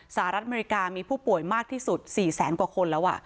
สหรัฐอเมริกามีผู้ป่วยมากที่สุด๔แสนกว่าคนแล้ว